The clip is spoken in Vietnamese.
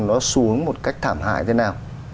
nó xuống một cách thảm hại thế nào